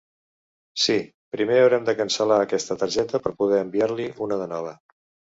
Sí, primer haurem de cancel·lar aquesta targeta per poder enviar-li una de nova.